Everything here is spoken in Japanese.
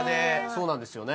そうなんですよね。